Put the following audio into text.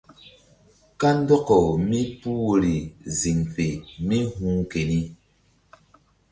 Kandɔkaw mípuh woyri ziŋ fe mí hu̧h keni.